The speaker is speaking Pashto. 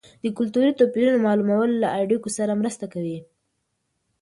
د کلتوري توپیرونو معلومول له اړیکو سره مرسته کوي.